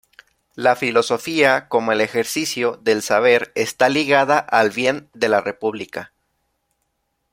La filosofía, como el ejercicio del saber, está ligada al bien de la república.